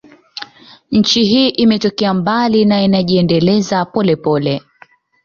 Nchi hii imetoka mbali na inajiendeleza polepole